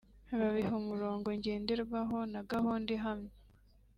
babiha umurongo ngenderwaho na gahunda ihamye